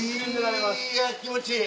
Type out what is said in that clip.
いや気持ちいい。